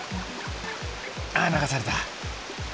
あ流された。